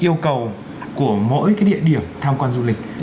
yêu cầu của mỗi địa điểm tham quan du lịch